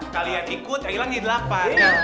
kalian ikut yang hilang jadi delapan